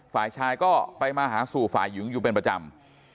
ฝ่ายชายก็ไปมาหาสู่ฝ่ายหญิงอยู่เป็นประจำ